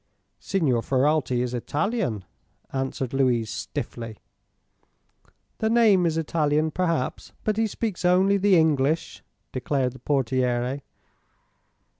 "Signor Ferralti is Italian," answered Louise, stiffly. "The name is Italian, perhaps; but he speaks only the English," declared the portiere.